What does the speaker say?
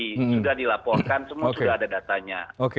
sudah dilaporkan semua sudah ada datanya